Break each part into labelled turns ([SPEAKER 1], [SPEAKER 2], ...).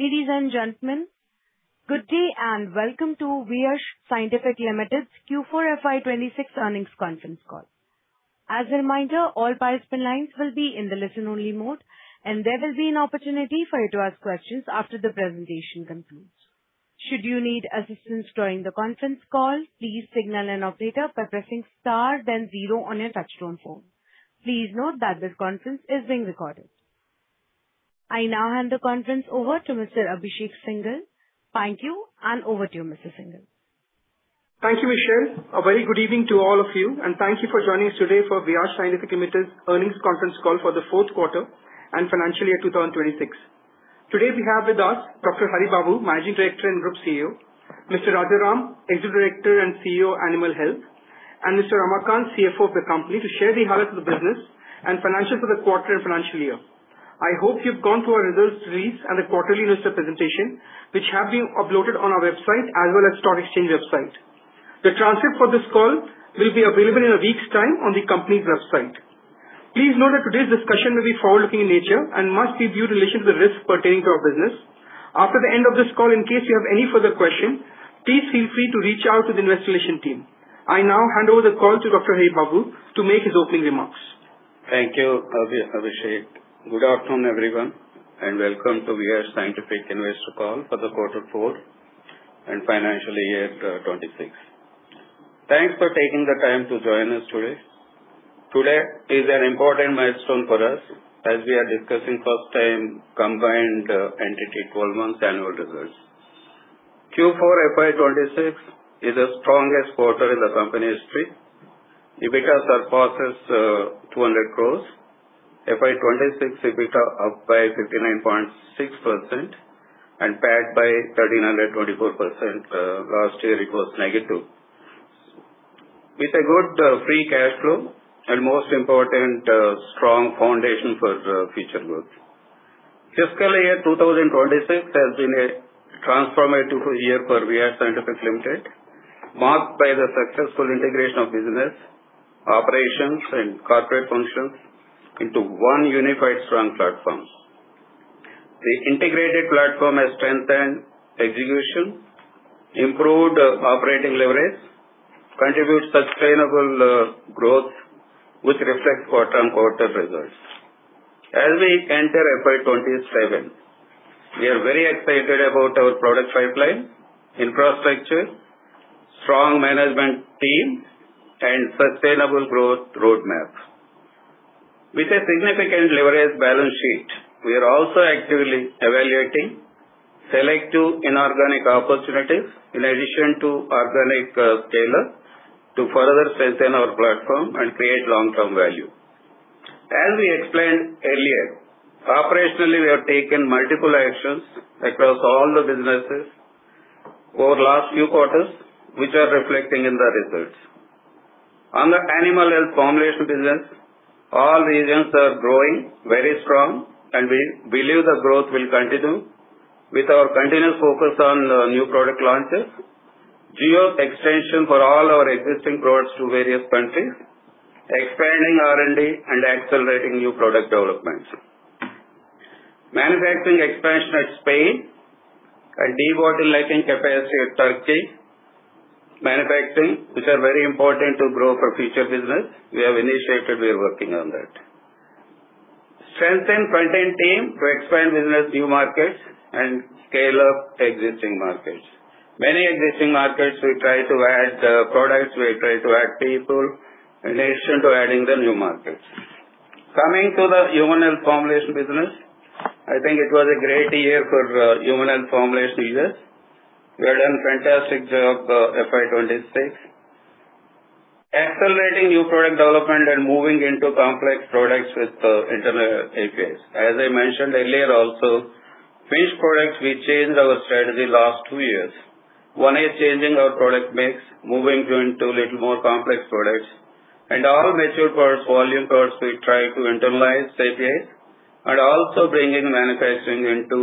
[SPEAKER 1] Ladies and gentlemen, good day and welcome to Viyash Scientific Limited's Q4 FY 2026 earnings conference call. As a reminder, all participant lines will be in the listen-only mode, and there will be an opportunity for you to ask questions after the presentation concludes. Should you need assistance during the conference call, please signal an operator by pressing Star then Zero on your touchtone phone. Please note that this conference is being recorded. I now hand the conference over to Mr. Abhishek Singhal. Thank you, and over to you, Mr. Singhal.
[SPEAKER 2] Thank you, Michelle. A very good evening to all of you, and thank you for joining us today for Viyash Scientific Limited earnings conference call for the fourth quarter and financial year 2026. Today we have with us Dr. Haribabu Bodepudi, Managing Director and Group CEO; Mr. Rajaram, Executive Director and CEO, Animal Health; and Mr. Ramakant, CFO of the company, to share the health of the business and financials for the quarter and financial year. I hope you've gone through our results release and the quarterly investor presentation, which have been uploaded on our website as well as stock exchange website. The transcript for this call will be available in a week's time on the company's website. Please note that today's discussion will be forward-looking in nature and must be viewed in relation to the risks pertaining to our business. After the end of this call, in case you have any further questions, please feel free to reach out to the investor relation team. I now hand over the call to Dr. Haribabu to make his opening remarks.
[SPEAKER 3] Thank you, Abhishek. Good afternoon, everyone, and welcome to Viyash Scientific Investor Call for the Quarter Four and Financial Year 2026. Thanks for taking the time to join us today. Today is an important milestone for us as we are discussing first-time combined entity 12 months annual results. Q4 FY 2026 is the strongest quarter in the company history. EBITDA surpasses 200 crore. FY 2026 EBITDA up by 59.6% and backed by 1,324% last year it was negative. With a good free cash flow, and most important, strong foundation for future growth. Fiscal Year 2026 has been a transformative year for Viyash Scientific Limited, marked by the successful integration of business operations and corporate functions into one unified, strong platform. The integrated platform has strengthened execution, improved operating leverage, contributes sustainable growth, which reflects quarter-on-quarter results. As we enter FY 2027, we are very excited about our product pipeline, infrastructure, strong management team, and sustainable growth roadmap. With a significant leverage balance sheet, we are also actively evaluating selective inorganic opportunities in addition to organic scale-up to further strengthen our platform and create long-term value. As we explained earlier, operationally, we have taken multiple actions across all the businesses over last few quarters, which are reflecting in the results. On the animal health formulation business, all regions are growing very strong, and we believe the growth will continue with our continuous focus on new product launches, geo extension for all our existing products to various countries, expanding R&D, and accelerating new product developments. Manufacturing expansion at Spain and debottlenecking capacity at Turkey manufacturing, which are very important to grow for future business, we have initiated, we are working on that. Strengthen front-end team to expand business new markets and scale up existing markets. Many existing markets we try to add products, we try to add people in addition to adding the new markets. Coming to the human health formulation business, I think it was a great year for human health formulation business. We have done fantastic job FY 2026. Accelerating new product development and moving into complex products with internal APIs. As I mentioned earlier also, finished products, we changed our strategy last two years. One is changing our product mix, moving into little more complex products. All mature products, volume products, we try to internalize API, and also bringing manufacturing into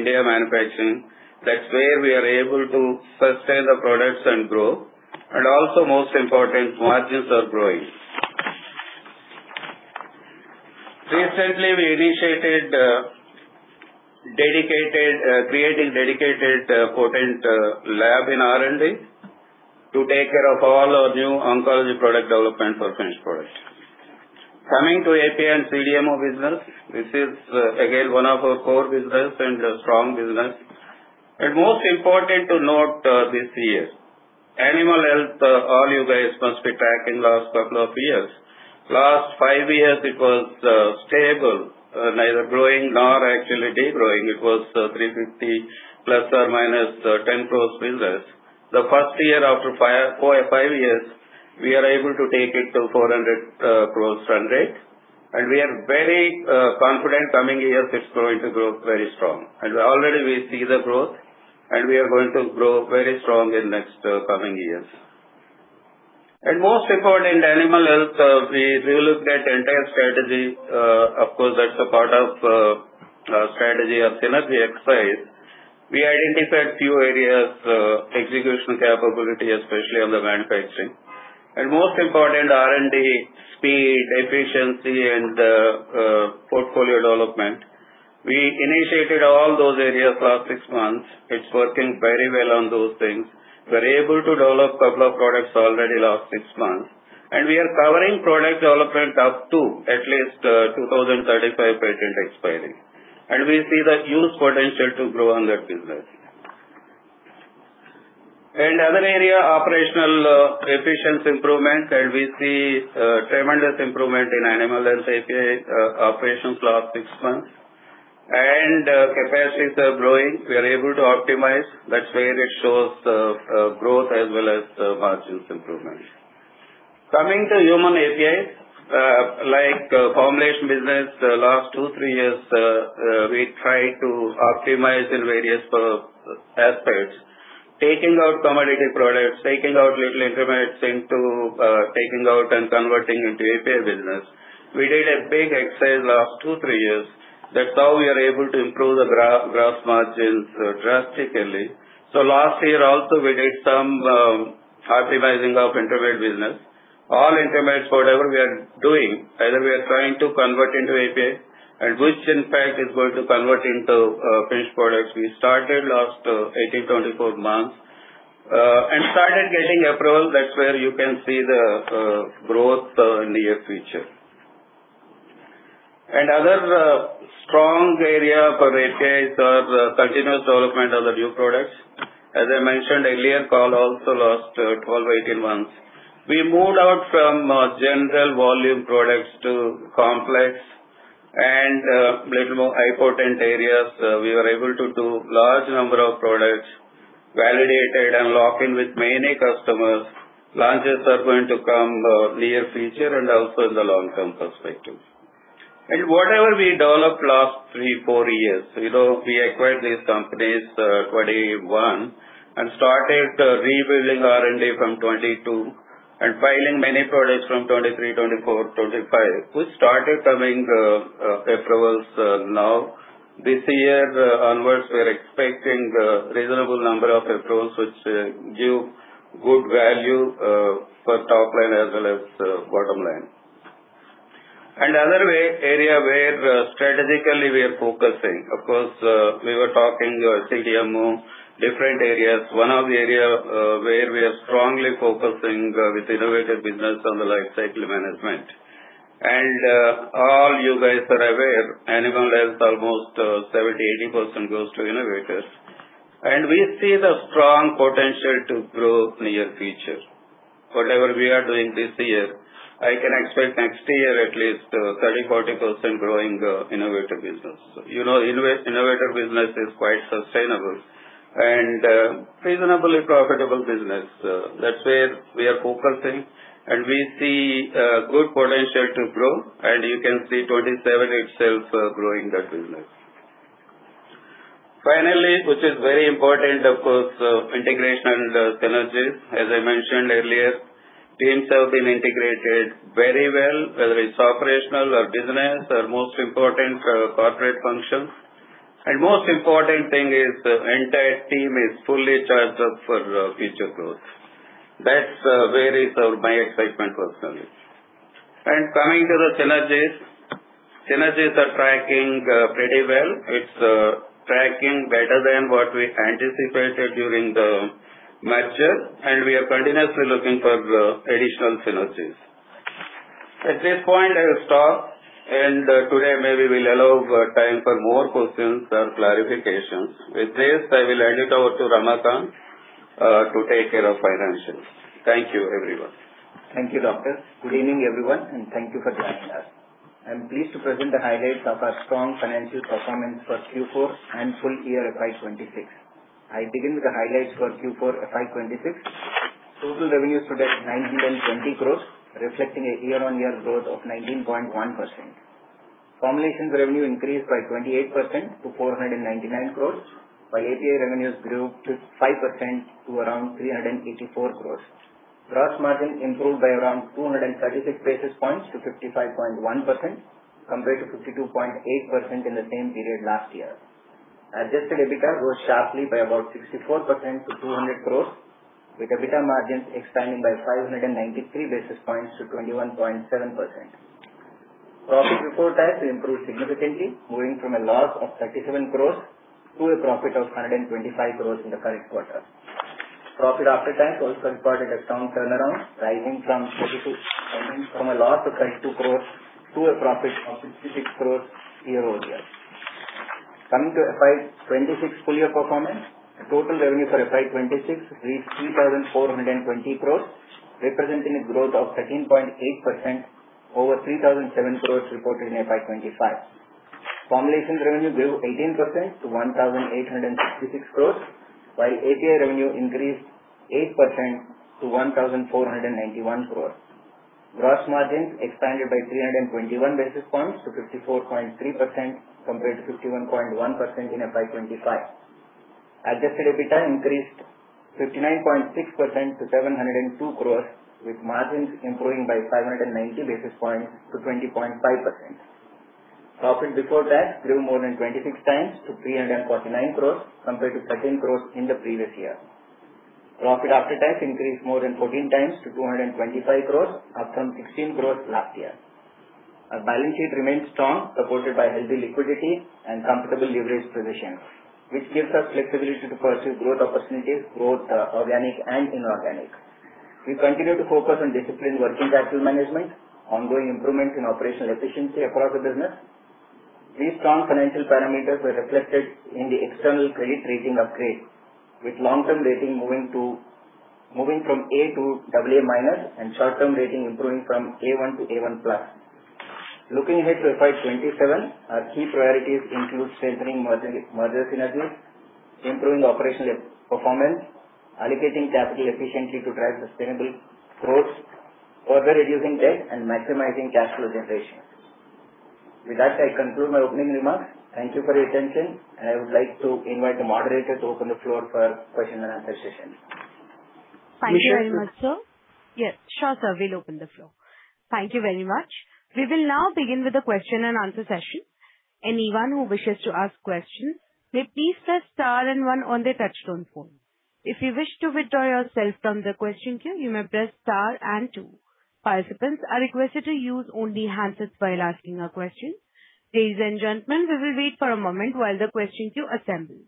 [SPEAKER 3] India manufacturing. That's where we are able to sustain the products and grow. Also most important, margins are growing. Recently, we initiated creating dedicated potent lab in R&D to take care of all our new oncology product development for. API and CDMO business, which is again one of our core business and a strong business. Most important to note this year, animal health, all you guys must be tracking last couple of years. Last five years it was stable, neither growing nor actually degrowing. It was ±350, 10 crore business. The first year after five years, we are able to take it to 400 crore run rate, and we are very confident coming years it's going to grow very strong. Already we see the growth, and we are going to grow very strong in next coming years. Most important, animal health, we relooked at entire strategy. Of course, that's a part of our strategy of synergy exercise. We identified few areas, execution capability, especially on the manufacturing. Most important, R&D, speed, efficiency and portfolio development. We initiated all those areas last six months. It's working very well on those things. We're able to develop couple of products already last six months, and we are covering product development up to at least 2035 patent expiry. We see the huge potential to grow on that business. Other area, operational efficiency improvements, and we see tremendous improvement in Animal Health API operations last six months. Capacities are growing. We are able to optimize. That's where it shows growth as well as margins improvement. Coming to Human API, like formulation business the last two, three years, we try to optimize in various aspects. Taking out commodity products, taking out late intermediates into taking out and converting into API business. We did a big exercise last two, three years. That's how we are able to improve the gross margins drastically. Last year also, we did some optimizing of intermediate business. All intermediates, whatever we are doing, either we are trying to convert into API which in fact is going to convert into finished products. We started last 18, 24 months, started getting approval. That's where you can see the growth in near future. Other strong area for API is our continuous development of the new products. As I mentioned earlier, call also last 12 or 18 months. We moved out from general volume products to complex and little more high potent areas. We were able to do large number of products, validated and lock in with many customers. Launches are going to come near future and also in the long-term perspective. Whatever we developed last three, four years, we acquired these companies, 2021, and started rebuilding R&D from 2022 and filing many products from 2023, 2024, 2025, which started coming approvals now. This year onwards, we are expecting reasonable number of approvals which give good value, for top line as well as bottom line. Other area where strategically we are focusing, of course, we were talking, I think you know, different areas. One of the area, where we are strongly focusing with innovative business on the lifecycle management. All you guys are aware, Animal Health, almost 70%-80% goes to innovators. We see the strong potential to grow near future. Whatever we are doing this year, I can expect next year at least 30%-40% growing innovative business. Innovative business is quite sustainable and reasonably profitable business. That's where we are focusing, we see good potential to grow. You can see 2027 itself growing that business. Finally, which is very important, of course, integration and synergies. As I mentioned earlier, teams have been integrated very well, whether it's operational or business or most important, corporate functions. Most important thing is the entire team is fully charged up for future growth. That's where is my excitement personally. Coming to the synergies. Synergies are tracking pretty well. It's tracking better than what we anticipated during the merger, and we are continuously looking for additional synergies. At this point, I will stop, and today maybe we'll allow time for more questions or clarifications. With this, I will hand it over to Ramakant to take care of financials. Thank you, everyone.
[SPEAKER 4] Thank you, doctor. Good evening, everyone, and thank you for joining us. I'm pleased to present the highlights of our strong financial performance for Q4 and full year FY 2026. I begin with the highlights for Q4 FY 2026. Total revenues today, 920 crore, reflecting a year-on-year growth of 19.1%. Formulations revenue increased by 28% to 499 crore, while API revenues grew 5% to around 384 crore. Gross margin improved by around 236 basis points to 55.1%, compared to 52.8% in the same period last year. Adjusted EBITDA grew sharply by about 64% to 200 crore, with EBITDA margins expanding by 593 basis points to 21.7%. Profit Before Tax improved significantly, moving from a loss of 37 crore to a profit of 125 crore in the current quarter. Profit After Tax also reported a strong turnaround, rising from a loss of INR 32 crore to a profit of INR 66 crore year-over-year. Coming to FY 2026 full year performance. Total revenue for FY 2026 reached 3,420 crore, representing a growth of 13.8% over 3,007 crore reported in FY 2025. Formulations revenue grew 18% to 1,866 crore, while API revenue increased 8% to 1,491 crore. Gross margins expanded by 321 basis points to 54.3%, compared to 51.1% in FY 2025. Adjusted EBITDA increased 59.6% to 702 crore, with margins improving by 590 basis points to 20.5%. Profit before tax grew more than 26x to 349 crore, compared to 13 crore in the previous year. Profit after tax increased more than 14x to 225 crore, up from 16 crore last year. Our balance sheet remains strong, supported by healthy liquidity and comfortable leverage positions, which gives us flexibility to pursue growth opportunities, both organic and inorganic. We continue to focus on disciplined working capital management, ongoing improvements in operational efficiency across the business. These strong financial parameters were reflected in the external credit rating upgrade, with long-term rating moving from A to AA- and short-term rating improving from A1 to A1+. Looking ahead to FY 2027, our key priorities include strengthening merger synergies, improving operational performance, allocating capital efficiently to drive sustainable growth, further reducing debt, and maximizing cash flow generation. With that, I conclude my opening remarks. Thank you for your attention, and I would like to invite the moderator to open the floor for Q&A session.
[SPEAKER 1] Thank you very much, sir. Yes. Sure, sir. We'll open the floor. Thank you very much. We will now begin with the Q&A session. Anyone who wishes to ask questions may please press star and one on their touch-tone phone. If you wish to withdraw yourself from the question queue, you may press star and two. Participants are requested to use only handsets while asking a question. Ladies and gentlemen, we will wait for a moment while the question queue assembles.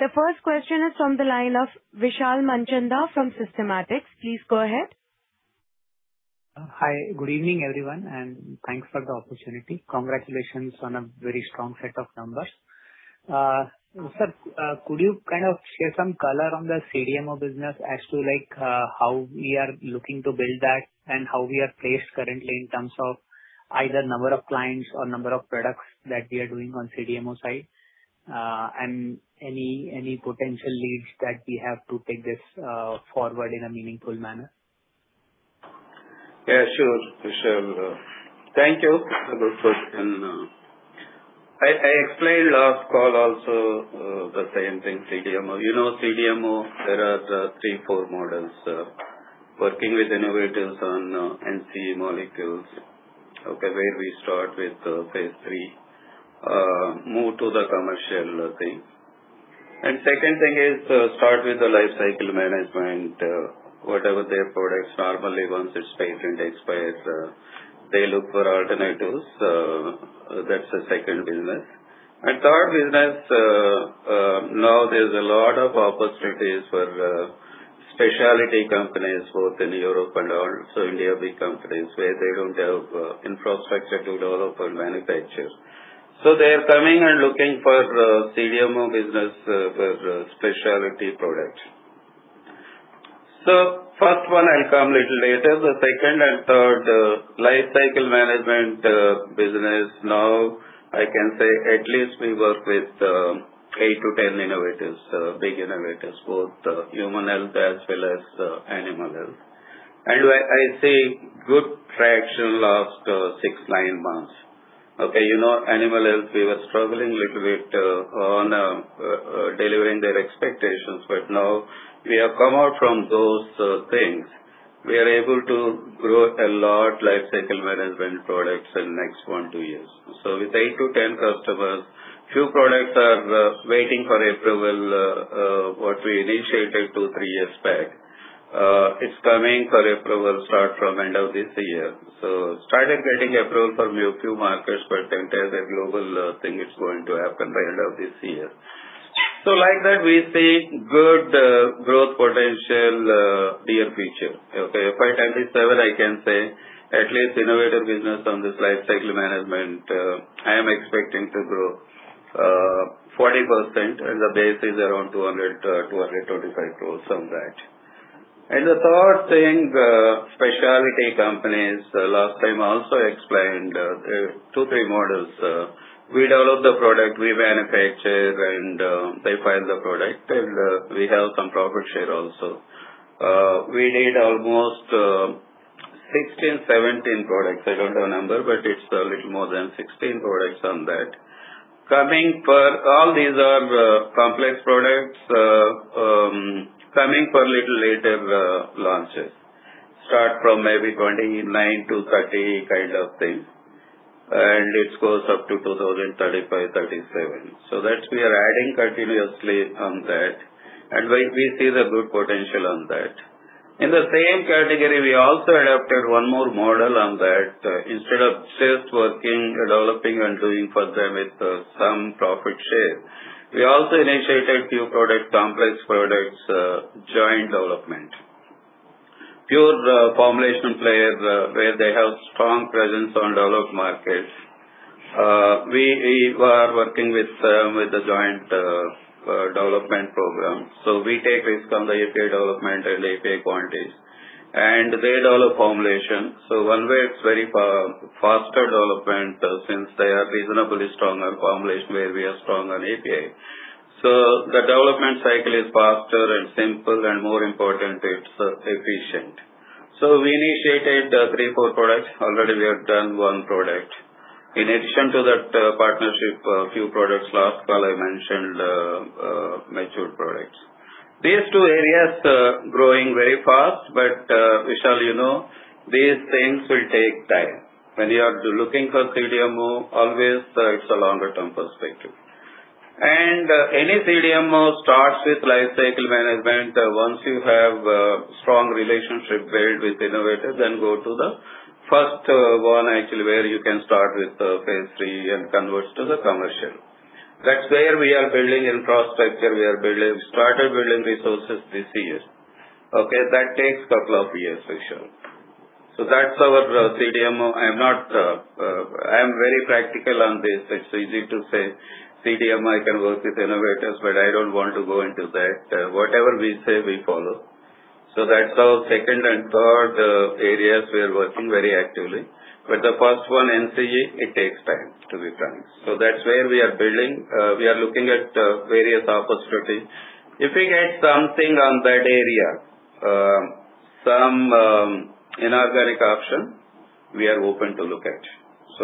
[SPEAKER 1] The first question is from the line of Vishal Manchanda from Systematix. Please go ahead.
[SPEAKER 5] Hi. Good evening, everyone, and thanks for the opportunity. Congratulations on a very strong set of numbers. Sir, could you kind of share some color on the CDMO business as to how we are looking to build that and how we are placed currently in terms of either number of clients or number of products that we are doing on CDMO side, and any potential leads that we have to take this forward in a meaningful manner?
[SPEAKER 3] Yeah, sure, Vishal. Thank you for the question. I explained last call also the same thing, CDMO. You know, CDMO, there are three, four models working with innovators on NCE molecules, okay, where we start with phase III, move to the commercial thing. Second thing is start with the life cycle management. Whatever their products, normally once its patent expires, they look for alternatives. That's the second business. Third business, now there's a lot of opportunities for specialty companies, both in Europe and also India, big companies where they don't have infrastructure to develop and manufacture. They are coming and looking for CDMO business for specialty products. First one will come little later. The second and third life cycle management business now I can say at least we work with eight to 10 innovators, big innovators, both human health as well as animal health. I see good traction last six, nine months. Okay. You know, animal health, we were struggling little bit on delivering their expectations, but now we have come out from those things. We are able to grow a lot life cycle management products in next one, two years. With eight to 10 customers, few products are waiting for approval, what we initiated two, three years back. It's coming for approval start from end of this year. Started getting approval from a few markets, but can tell the global thing is going to happen by end of this year. Like that, we see good growth potential near future. Okay. FY 2027 I can say at least innovator business on this life cycle management, I am expecting to grow 40%, and the base is around 200 crore-225 crore on that. The third thing, specialty companies. Last time I also explained there are two, three models. We develop the product, we manufacture it. They file the product, and we have some profit share also. We did almost 16, 17 products. I don't know number. It's a little more than 16 products on that. Coming for all these are complex products, coming for little later launches. Start from maybe 2029-2030 kind of thing. It goes up to 2035, 2037. That we are adding continuously on that. We see the good potential on that. In the same category, we also adapted one more model on that. Instead of just working, developing, and doing for them with some profit share, we also initiated few product complex products, joint development. Pure formulation players where they have strong presence on developed markets. We were working with the joint development program. We take risk on the API development and API quantities, and they develop formulation. One way, it's very faster development, since they are reasonably strong on formulation, where we are strong on API. The development cycle is faster and simpler, and more importantly, it's efficient. We initiated three, four products. Already, we have done one product. In addition to that partnership, a few products last quarter I mentioned, matured products. These two areas are growing very fast. Vishal, you know these things will take time. When you are looking for CDMO, always, it's a longer-term perspective. Any CDMO starts with lifecycle management. Once you have a strong relationship built with innovators, then go to the first one actually, where you can start with phase III and convert to the commercial. That's where we are building infrastructure. We started building resources this year. Okay. That takes a couple of years, Vishal. That's our CDMO. I am very practical on this. It's easy to say, "CDMO, I can work with innovators," but I don't want to go into that. Whatever we say, we follow. That's our second and third areas we are working very actively. The first one, NCE, it takes time to be done. That's where we are building. We are looking at various opportunities. If we get something on that area, some inorganic option, we are open to look at.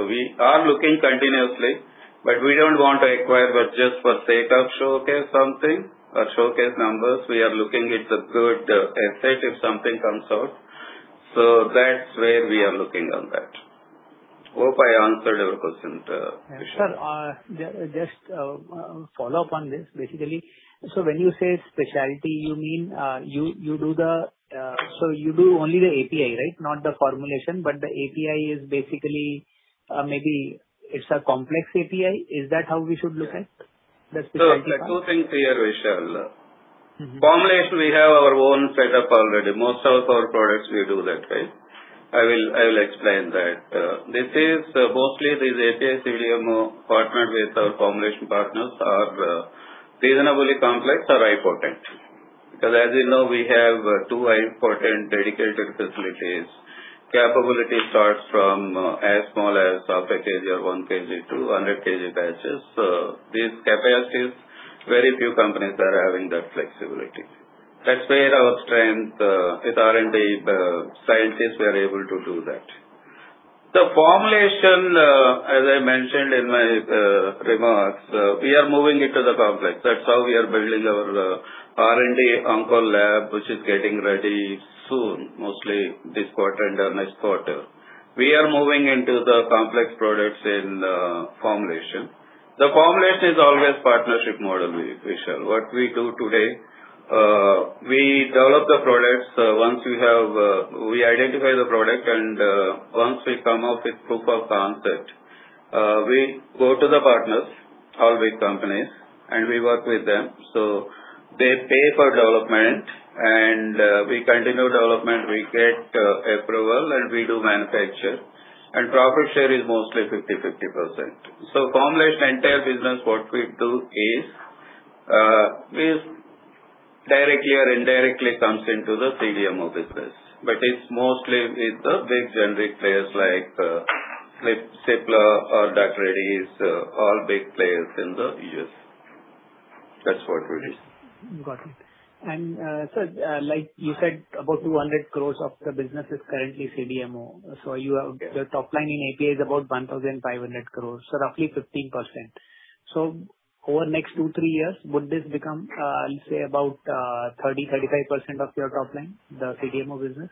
[SPEAKER 3] We are looking continuously, but we don't want to acquire just for sake of showcase something or showcase numbers. We are looking it's a good asset if something comes out. That's where we are looking on that. Hope I answered your question, Vishal.
[SPEAKER 5] Sir, just a follow-up on this, basically. When you say specialty, you do only the API, right? Not the formulation, but the API is basically, maybe it's a complex API? Is that how we should look at the specialty part?
[SPEAKER 3] Let's make two things clear, Vishal. Formulation, we have our own setup already. Most of our products we do that way. I will explain that. Mostly, these API CDMO partnered with our formulation partners are reasonably complex or high-potent. Because as you know, we have two high-potent dedicated facilities. Capability starts from as small as half a kg or 1 kg-100 kg batches. These capacities, very few companies are having that flexibility. That's where our strength, with R&D scientists, we are able to do that. The formulation, as I mentioned in my remarks, we are moving into the complex. That's how we are building our R&D onco lab, which is getting ready soon, mostly this quarter and our next quarter. We are moving into the complex products in formulation. The formulation is always partnership model, Vishal. What we do today, we develop the products. We identify the product, and once we come up with proof of concept, we go to the partners, all big companies, and we work with them. They pay for development, and we continue development. We get approval, and we do manufacture. Profit share is mostly 50%/50%. Formulation entire business, what we do is, this directly or indirectly comes into the CDMO business. It's mostly with the big generic players like Cipla or Dr. Reddy's, all big players in the U.S. That's what we do.
[SPEAKER 5] Got it. Sir, like you said, about 200 crore of the business is currently CDMO. Your top line in API is about 1,500 crore, so roughly 15%. Over the next two, three years, would this become, I'll say, about 30%-35% of your top line, the CDMO business?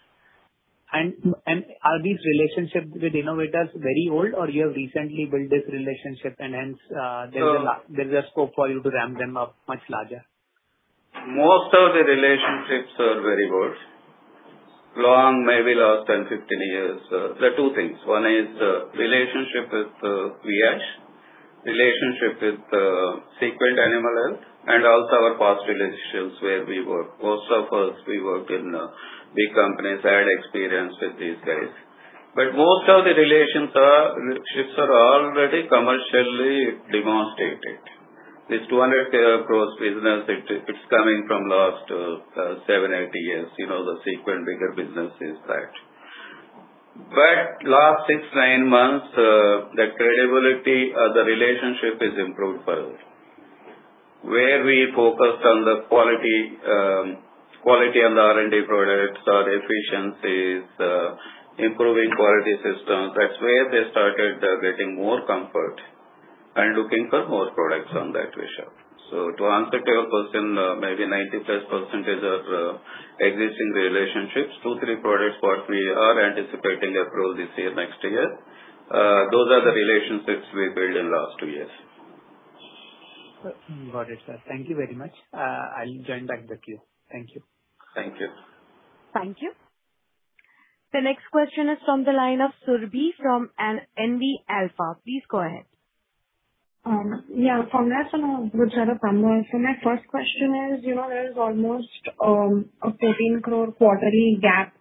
[SPEAKER 5] Are these relationships with innovators very old, or you have recently built this relationship, and hence there is a scope for you to ramp them up much larger?
[SPEAKER 3] Most of the relationships are very old. Long, maybe last 10, 15 years. There are two things. One is relationship with Viyash, relationship with Sequent Animal Health, and also our past relationships where we worked. Most of us, we worked in big companies, had experience with these guys. Most of the relationships are already commercially demonstrated. This 200 crore business, it's coming from last seven, eight years. The Sequent bigger business is that. Last six, nine months, the credibility of the relationship is improved further, where we focused on the quality on the R&D products, our efficiencies, improving quality systems. That's where they started getting more comfort and looking for more products on that, Vishal. To answer to your question, maybe 90%+ of existing relationships, two, three products that we are anticipating approval this year, next year. Those are the relationships we built in the last two years.
[SPEAKER 5] Got it, sir. Thank you very much. I'll join back the queue. Thank you.
[SPEAKER 3] Thank you.
[SPEAKER 1] Thank you. The next question is from the line of Surabhi from NV Alpha. Please go ahead.
[SPEAKER 6] Yeah. From there My first question is, there is almost a 14 crore quarterly gap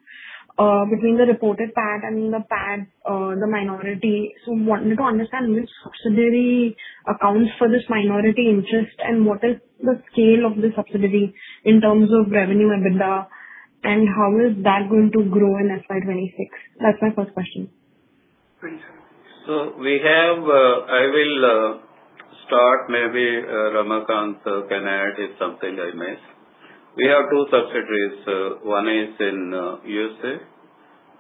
[SPEAKER 6] between the reported PAT and the PAT, the minority. Wanted to understand which subsidiary accounts for this minority interest, and what is the scale of the subsidiary in terms of revenue, EBITDA, and how is that going to grow in FY 2026? That's my first question.
[SPEAKER 3] I will start. Maybe Ramakant can add if something I miss. We have two subsidiaries. One is in USA,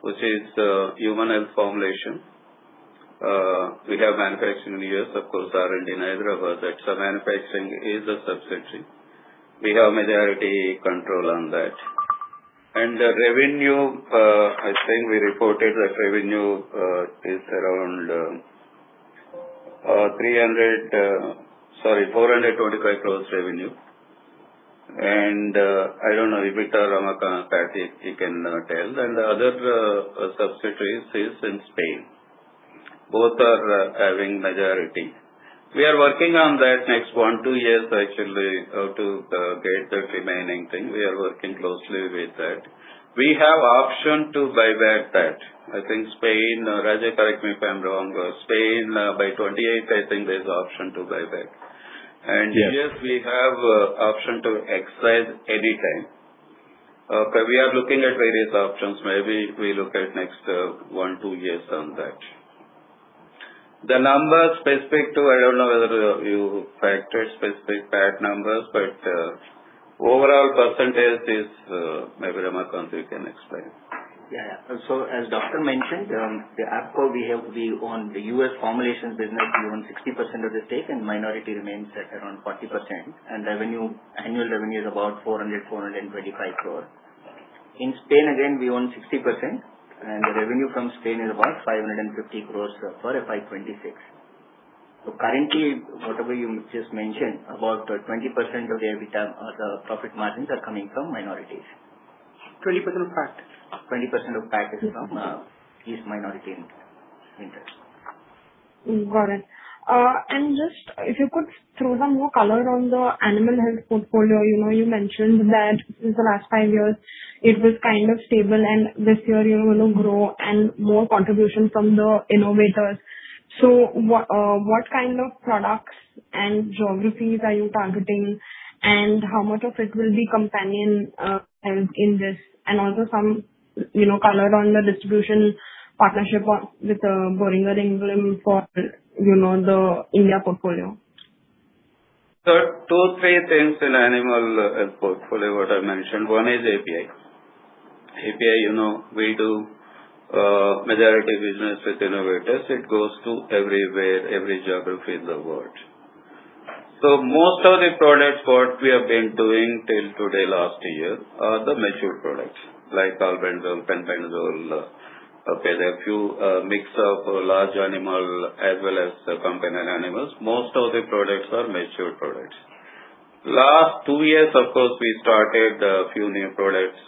[SPEAKER 3] which is Human Health Formulation. We have manufacturing in U.S., of course, R&D in Hyderabad. That's our manufacturing is a subsidiary. We have majority control on that. The revenue, I think we reported that revenue is around INR 425 crores revenue. I don't know if Ramakant has it, he can tell. The other subsidiary is in Spain. Both are having majority. We are working on that next one, two years, actually, how to get the remaining thing. We are working closely with that. We have option to buyback that. I think Spain, Raja, correct me if I'm wrong, Spain by 2028, I think there's option to buyback.
[SPEAKER 7] Yes.
[SPEAKER 3] U.S. we have option to exercise any time. Okay. We are looking at various options. Maybe we look at next one, two years on that. The numbers I don't know whether you factored specific PAT numbers, but overall percentage is, maybe Ramakant, you can explain.
[SPEAKER 4] As doctor mentioned, the Appcure we own the U.S. formulations business, we own 60% of the stake, minority remains at around 40%. Annual revenue is about 400 crore-425 crore. In Spain, again, we own 60%, the revenue from Spain is about 550 crore for FY 2026. Currently, whatever you just mentioned, about 20% of the EBITDA, the profit margins are coming from minorities.
[SPEAKER 6] 20% of PAT.
[SPEAKER 4] 20% of PAT is from these minority interests.
[SPEAKER 6] Got it. Just if you could throw some more color on the animal health portfolio. You mentioned that in the last five years it was kind of stable, and this year you're going to grow and more contribution from the innovators. What kind of products and geographies are you targeting, and how much of it will be companion health in this? Also some color on the distribution partnership with Boehringer Ingelheim for the India portfolio.
[SPEAKER 3] Two, three things in animal health portfolio what I mentioned. One is API. API, we do majority business with innovators. It goes to everywhere, every geography in the world. Most of the products what we have been doing till today, last year, are the matured products, like albendazole, fenbendazole. Okay, there are few mix of large animal as well as companion animals. Most of the products are matured products. Last two years, of course, we started a few new products,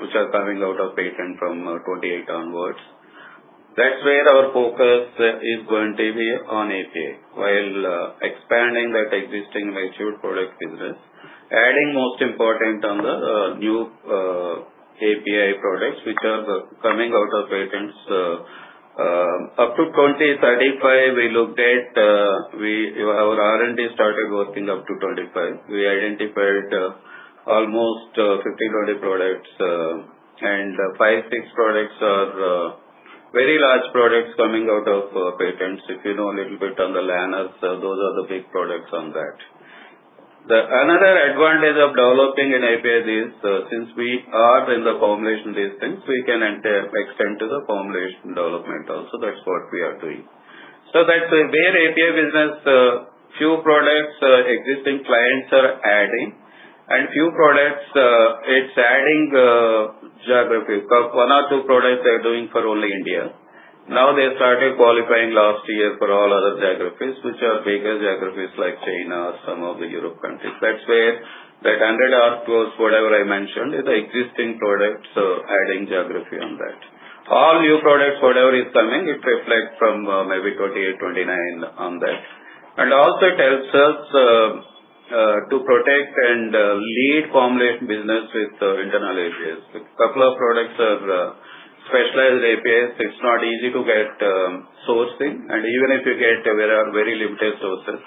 [SPEAKER 3] which are coming out of patent from 2028 onwards. That's where our focus is going to be on API, while expanding that existing matured product business, adding most important on the new API products, which are coming out of patents. Up to 2025, we looked at our R&D started working up to 2025. We identified almost 50/20 products. Five, six products are very large products coming out of patents. If you know a little bit on the laners, those are the big products on that. The another advantage of developing an API is since we are in the formulation these things, we can enter extend to the formulation development also. That's what we are doing. That's where API business, few products existing clients are adding, and few products, it's adding geography. One or two products they're doing for only India. They started qualifying last year for all other geographies, which are bigger geographies like China or some of the Europe countries. That's where that 100 odd close, whatever I mentioned, is the existing products, so adding geography on that. All new products, whatever is coming, it reflects from maybe 2028, 2029 on that. Also it helps us to protect and lead formulation business with internal APIs. A couple of products are specialized APIs. It's not easy to get sourcing, and even if you get, there are very limited sources.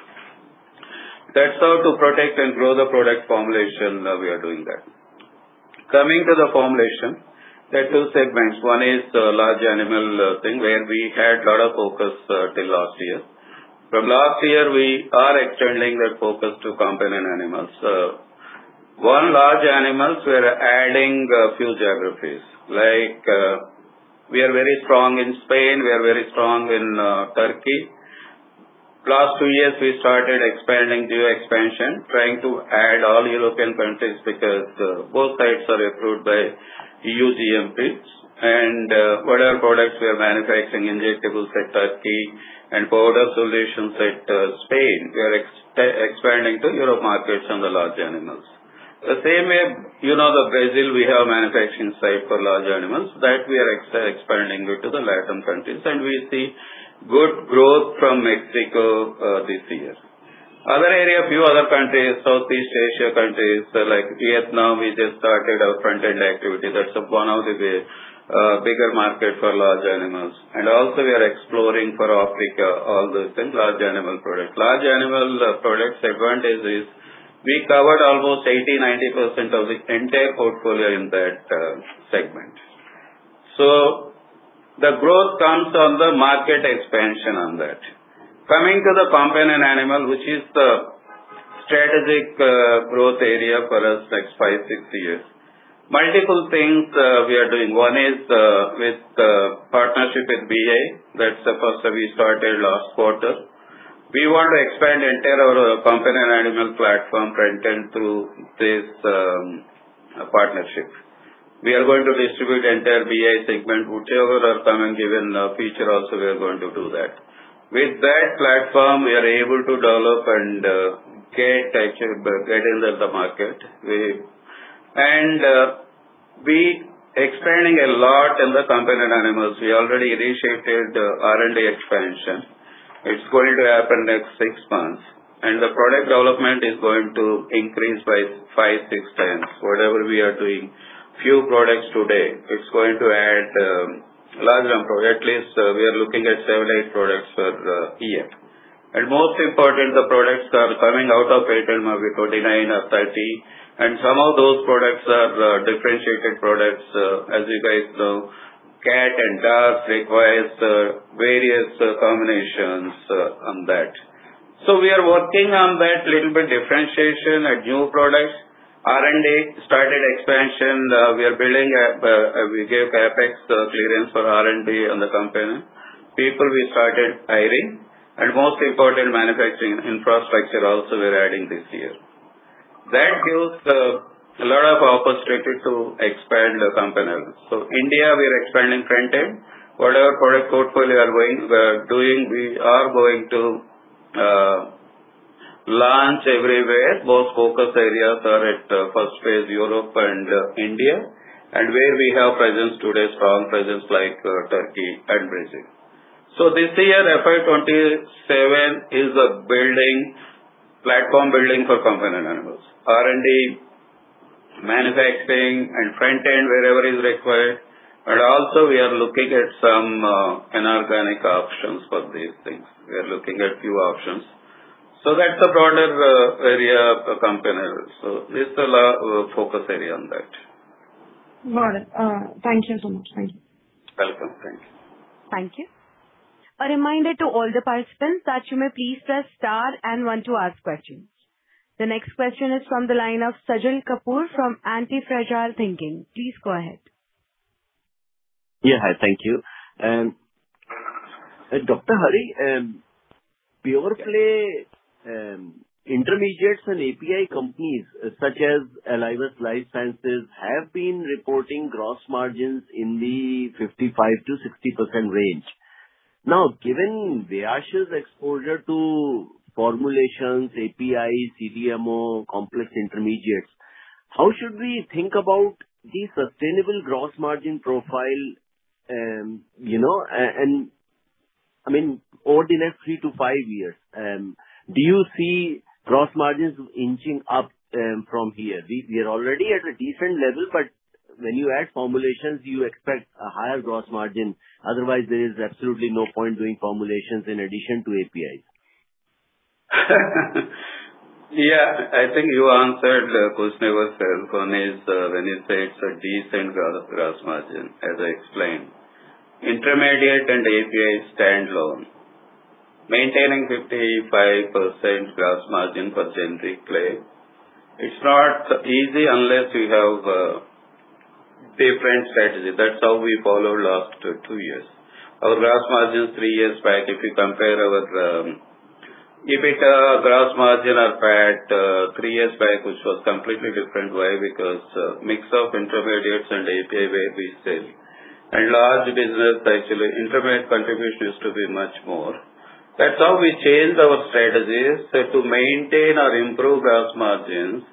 [SPEAKER 3] That's how to protect and grow the product formulation, we are doing that. Coming to the formulation, there are two segments. One is large animal thing, where we had lot of focus till last year. From last year, we are extending that focus to companion animals. On large animals, we are adding a few geographies. We are very strong in Spain, we are very strong in Turkey. Last two years, we started expanding geo expansion, trying to add all European countries because both sites are approved by EU cGMPs. Whatever products we are manufacturing, injectables like Turkey and powder solutions like Spain, we are expanding to Europe markets on the large animals. The same way, you know Brazil, we have manufacturing site for large animals, that we are expanding into the Latin countries, and we see good growth from Mexico this year. Other area, few other countries, Southeast Asia countries like Vietnam, we just started our front-end activity. That's one of the bigger market for large animals. Also we are exploring for Africa, all those things, large animal products. Large animal products advantage is we covered almost 80%, 90% of the entire portfolio in that segment. The growth comes on the market expansion on that. Coming to the companion animal, which is the strategic growth area for us next five, six years. Multiple things we are doing. One is with partnership with BI. That's the first that we started last quarter. We want to expand entire our companion animal platform front-end through this partnership. We are going to distribute entire BI segment, whichever are coming even feature also we are going to do that. With that platform, we are able to develop and get into the market. We expanding a lot in the companion animals. We already initiated R&D expansion. It's going to happen next six months, and the product development is going to increase by five, six times. Whatever we are doing, few products today, at least we are looking at seven, eight products per year. Most important, the products are coming out of and some of those products are differentiated products, as you guys know, cat and dogs requires various combinations on that. We are working on that little bit differentiation and new products. R&D started expansion. We gave CAPEX clearance for R&D on the companion. People we started hiring, most important, manufacturing infrastructure also we're adding this year. That gives a lot of opportunity to expand the companion animals. India, we are expanding front-end. Whatever product portfolio we are doing, we are going to launch everywhere. Both focus areas are at first phase, Europe and India, and where we have presence today, strong presence like Turkey and Brazil. This year, FY 2027 is a platform building for companion animals, R&D, manufacturing, and front-end wherever is required. Also we are looking at some inorganic options for these things. We are looking at few options. That's the broader area of companion animals. This is our focus area on that.
[SPEAKER 6] Got it. Thank you so much. Thank you.
[SPEAKER 3] Welcome. Thank you.
[SPEAKER 1] Thank you. A reminder to all the participants that you may please press a star and one to ask question. The next question is from the line of Sajal Kapoor from Antifragile Thinking. Please go ahead.
[SPEAKER 8] Hi, thank you. Dr. Haribabu Bodepudi, pure play intermediates and API companies such as Eli Lilly and Company have been reporting gross margins in the 55%-60% range. Given Viyash Scientific's exposure to formulations, APIs, CDMO, complex intermediates, how should we think about the sustainable gross margin profile? I mean, over the next three to five years, do you see gross margins inching up from here? We are already at a decent level, when you add formulations, do you expect a higher gross margin? There is absolutely no point doing formulations in addition to APIs.
[SPEAKER 3] Yeah, I think you answered question yourself, when you said decent gross margin, as I explained. Intermediate and API standalone, maintaining 55% gross margin pure play, it's not easy unless you have a different strategy. That's how we followed last two years. Our gross margins three years back, if you compare our EBITDA gross margin or PAT three years back, which was completely different. Why? Because mix of intermediates and API where we sell. Large business, actually, intermediate contribution used to be much more. That's how we changed our strategies. To maintain or improve gross margins,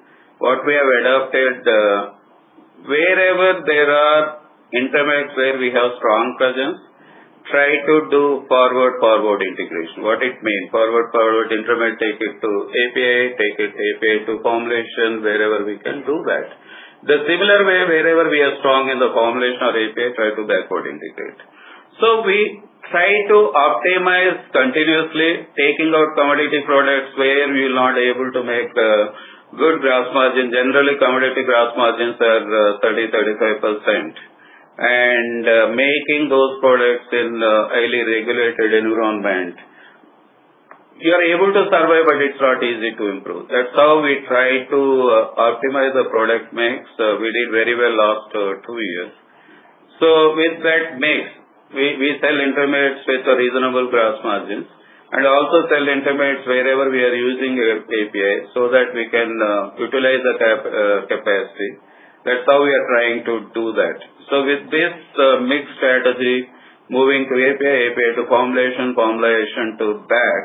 [SPEAKER 3] what we have adopted, wherever there are intermediates where we have strong presence, try to do forward integration. What it means? Forward, forward intermediate, take it to API, take API to formulation, wherever we can do that. The similar way, wherever we are strong in the formulation of API, try to backward integrate. We try to optimize continuously taking out commodity products where we are not able to make good gross margin. Generally, commodity gross margins are 30%-35%. Making those products in highly regulated environment, you are able to survive, but it is not easy to improve. That is how we try to optimize the product mix. We did very well last two years. With that mix, we sell intermediates with a reasonable gross margin and also sell intermediates wherever we are using API so that we can utilize the capacity. That is how we are trying to do that. With this mix strategy, moving to API to formulation to PAT,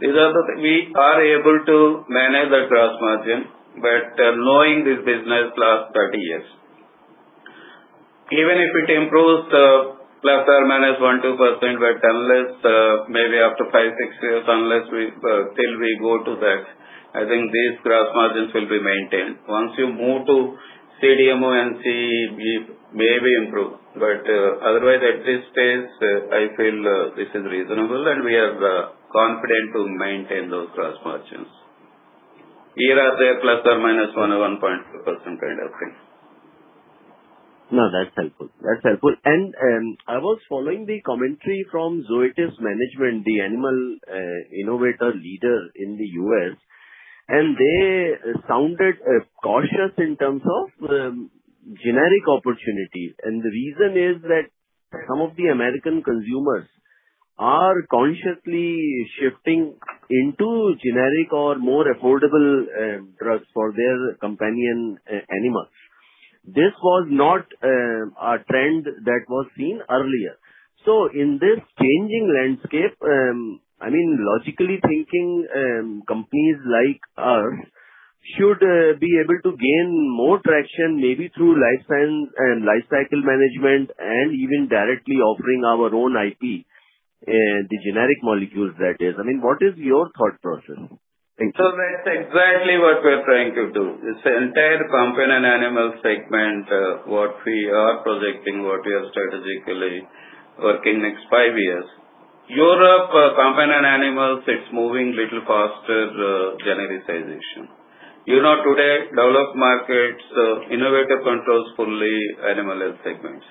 [SPEAKER 3] we are able to manage the gross margin. Knowing this business last 30 years. Even if it improves ±1%-2%, unless maybe after five, six years, unless we still go to that, I think these gross margins will be maintained. Once you move to CDMO and NCE, maybe improve. Otherwise, at this stage, I feel this is reasonable, and we are confident to maintain those gross margins. Here a, say ±1% or 1.2% kind of thing.
[SPEAKER 8] That's helpful. I was following the commentary from Zoetis management, the animal innovator leader in the U.S., and they sounded cautious in terms of generic opportunities. The reason is that some of the American consumers are consciously shifting into generic or more affordable drugs for their companion animals. This was not a trend that was seen earlier. In this changing landscape, logically thinking, companies like us should be able to gain more traction, maybe through life cycle management and even directly offering our own IP, the generic molecules that is. What is your thought process? Thank you.
[SPEAKER 3] That's exactly what we're trying to do. This entire companion animal segment, what we are projecting, what we are strategically working next five years. Europe companion animals, it's moving little faster, genericization. You know today, developed markets, innovative controls, fully animal health segments,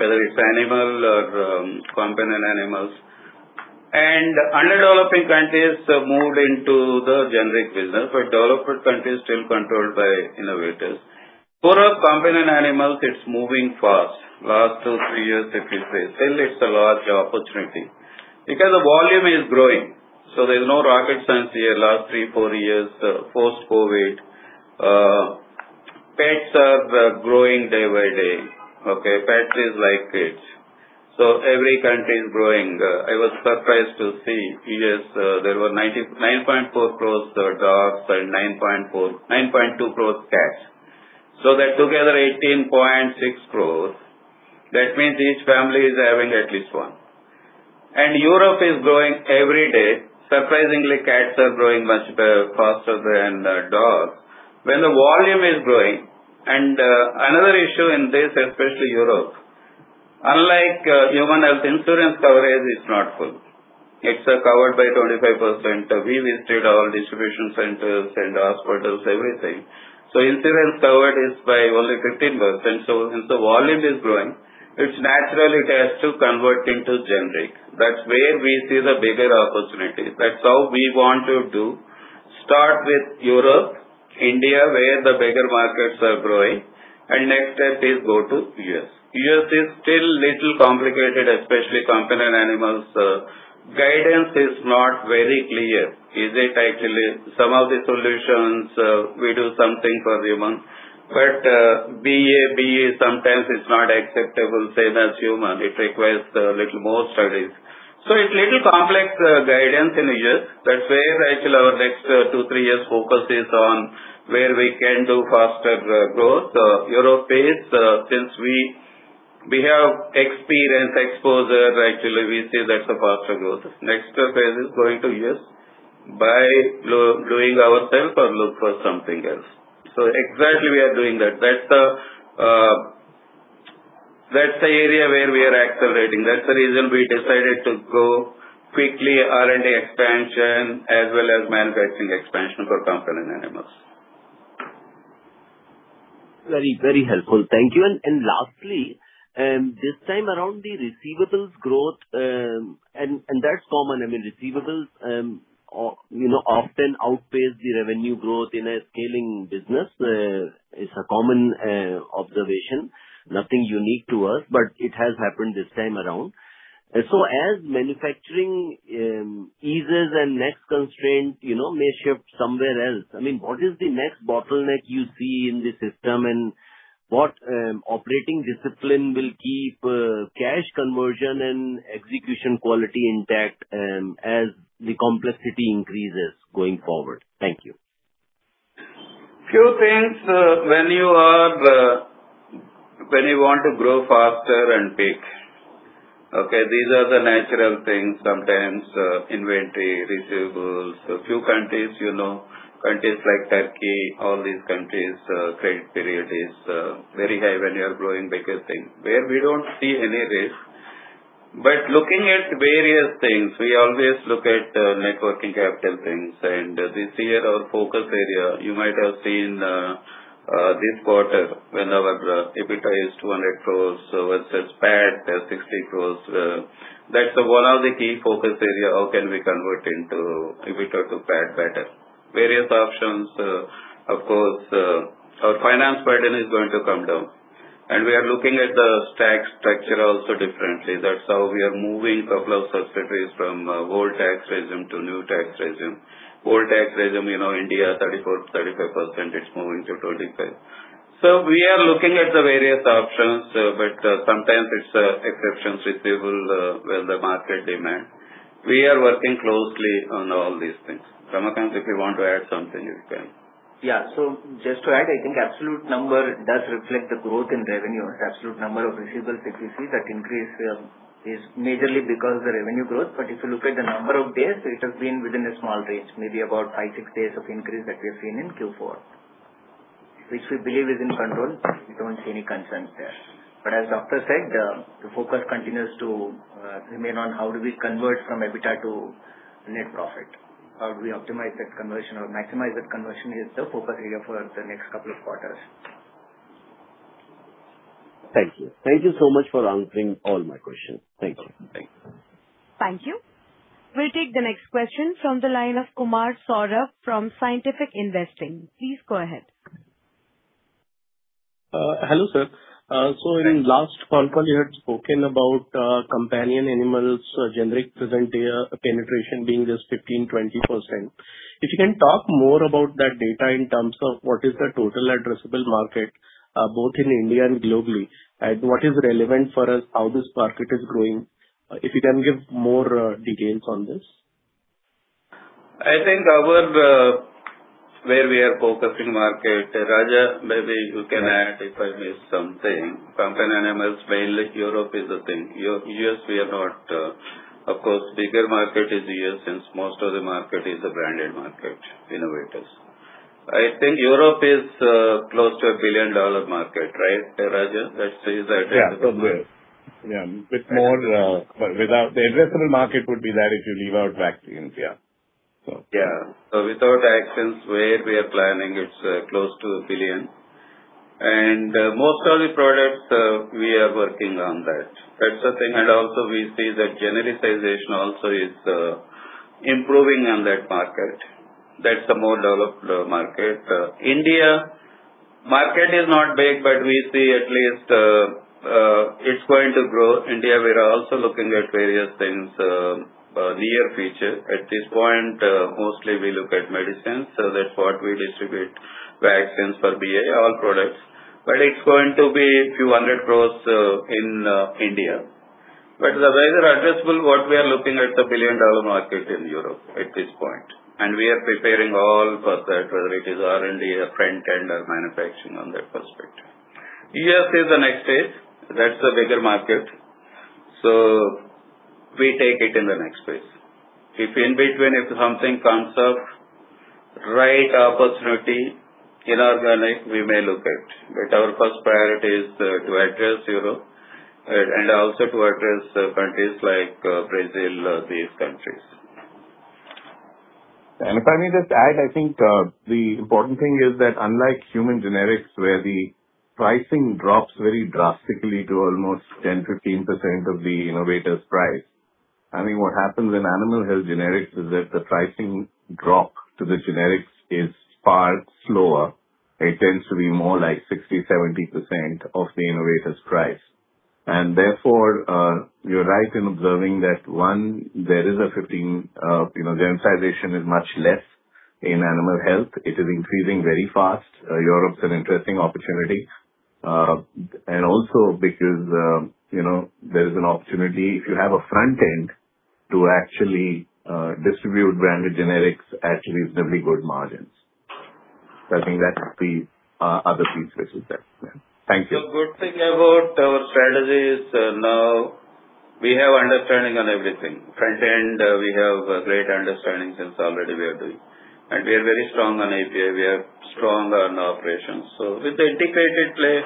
[SPEAKER 3] whether it's animal or companion animals. Under-developing countries have moved into the generic business, but developed countries still controlled by innovators. For us, companion animals, it's moving fast. Last two, three years, if you say. Still it's a large opportunity because the volume is growing. There's no rocket science here. Last three, four years, post-COVID, pets are growing day by day. Pets is like kids. Every country is growing. I was surprised to see U.S., there were 9.4 crore dogs and 9.2 crore cats. That together, 18.6 crore. That means each family is having at least one. Europe is growing every day. Surprisingly, cats are growing much faster than dogs. When the volume is growing, another issue in this, especially Europe, unlike human health, insurance coverage is not full. It's covered by 25%. We visited all distribution centers and hospitals, everything. Insurance covered is by only 15%. Since the volume is growing, it's natural it has to convert into generic. That's where we see the bigger opportunities. That's how we want to do. Start with Europe, India, where the bigger markets are growing, next step is go to U.S. U.S. is still little complicated, especially companion animals. Guidance is not very clear. Is it actually some of the solutions, we do something for humans, but BA sometimes it's not acceptable, same as human. It requires a little more studies. It's little complex guidance in U.S. That's where actually our next two, three years focus is on where we can do faster growth. Europe is, since we have experience, exposure, actually, we see that's a faster growth. Next phase is going to U.S. by doing ourselves or look for something else. Exactly we are doing that. That's the area where we are accelerating. That's the reason we decided to go quickly R&D expansion as well as manufacturing expansion for companion animals.
[SPEAKER 8] Very helpful. Thank you. Lastly, this time around the receivables growth, that's common. Receivables often outpace the revenue growth in a scaling business. It's a common observation, nothing unique to us, but it has happened this time around. As manufacturing eases and next constraint may shift somewhere else. What is the next bottleneck you see in the system, and what operating discipline will keep cash conversion and execution quality intact as the complexity increases going forward? Thank you.
[SPEAKER 3] Few things, when you want to grow faster and big. Okay, these are the natural things. Sometimes, inventory, receivables. Few countries like Turkey, all these countries, credit period is very high when you are growing bigger things, where we don't see any risk. Looking at various things, we always look at networking capital things. This year, our focus area, you might have seen this quarter when our EBITDA is 200 crore versus PAT, 60 crore. That's one of the key focus area. How can we convert into EBITDA to PAT better? Various options. Of course, our finance burden is going to come down. We are looking at the tax structure also differently. That's how we are moving couple of subsidiaries from old tax regime to new tax regime. Old tax regime, India, 34%-35%, it's moving to 25%. We are looking at the various options, but sometimes it's exceptions receivable when the market demand. We are working closely on all these things. Ramakant, if you want to add something, you can.
[SPEAKER 4] Yeah. Just to add, I think absolute number does reflect the growth in revenue. Absolute number of receivables if you see that increase is majorly because of the revenue growth. If you look at the number of days, it has been within a small range, maybe about five, six days of increase that we've seen in Q4. Which we believe is in control. We don't see any concerns there. As doctor said, the focus continues to remain on how do we convert from EBITDA to net profit. How do we optimize that conversion or maximize that conversion is the focus area for the next couple of quarters.
[SPEAKER 8] Thank you. Thank you so much for answering all my questions. Thank you.
[SPEAKER 3] Thank you.
[SPEAKER 1] Thank you. We'll take the next question from the line of Kumar Saurabh from Scientific Investing. Please go ahead.
[SPEAKER 9] Hello, sir. In last conference call you had spoken about companion animals generic penetration being just 15%, 20%. If you can talk more about that data in terms of what is the total addressable market, both in India and globally, and what is relevant for us, how this market is growing. If you can give more details on this.
[SPEAKER 3] I think our where we are focusing market. Raja, maybe you can add if I miss something. Companion animals, mainly Europe is the thing. U.S., we are not. Of course, bigger market is U.S. since most of the market is a branded market, innovators. I think Europe is close to a billion-dollar market, right, Raja? That's the addressable-
[SPEAKER 7] Yeah. Bit more, but the addressable market would be that if you leave out vaccines. Yeah.
[SPEAKER 3] Without vaccines, where we are planning, it's close to $1 billion. Most of the products, we are working on that. That's the thing. Also we see that genericization also is improving on that market. That's the more developed market. India market is not big, we see at least it's going to grow. India, we're also looking at various things near future. At this point, mostly we look at medicines, that's what we distribute, vaccines for BA, all products. It's going to be few hundred crores in India. The rather addressable, what we are looking at the $1 billion market in Europe at this point. We are preparing all for that, whether it is R&D or front end or manufacturing on that perspective. U.S. is the next phase. That's the bigger market. We take it in the next phase. If in between, if something comes up, right opportunity, inorganic, we may look at. Our first priority is to address Europe and also to address countries like Brazil, these countries.
[SPEAKER 7] If I may just add, I think the important thing is that unlike human generics, where the pricing drops very drastically to almost 10%-15% of the innovator's price. I think what happens in animal health generics is that the pricing drop to the generics is far slower. It tends to be more like 60%-70% of the innovator's price. Therefore, you're right in observing that, one, genericization is much less in animal health. It is increasing very fast. Europe's an interesting opportunity. Also because there is an opportunity if you have a front end to actually distribute branded generics at reasonably good margins. I think that's the other piece which is there. Yeah. Thank you.
[SPEAKER 3] The good thing about our strategy is now we have understanding on everything. Front end, we have great understanding since already we are doing. We are very strong on API, we are strong on operations. With the integrated play,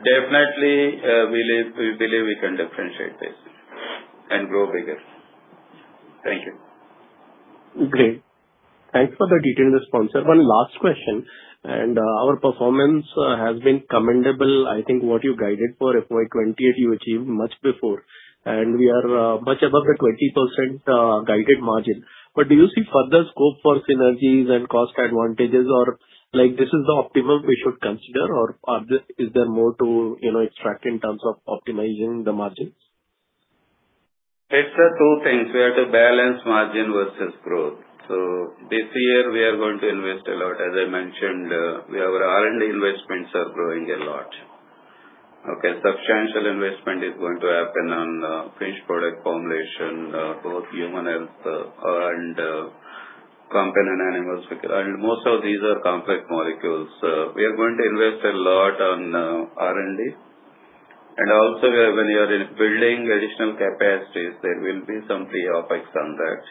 [SPEAKER 3] definitely, we believe we can differentiate this and grow bigger. Thank you.
[SPEAKER 9] Okay. Thanks for the detailed response, sir. One last question. Our performance has been commendable. I think what you guided for FY 2020, you achieved much before. We are much above the 20% guided margin. Do you see further scope for synergies and cost advantages or this is the optimum we should consider, or is there more to extract in terms of optimizing the margins?
[SPEAKER 3] It's two things. We have to balance margin versus growth. This year we are going to invest a lot. As I mentioned, our R&D investments are growing a lot. Okay. Substantial investment is going to happen on finished product formulation, both human health and companion animals. Most of these are complex molecules. We are going to invest a lot on R&D. Also when you are building additional capacities, there will be some free up on that.